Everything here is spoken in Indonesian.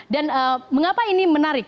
dan mengapa ini menarik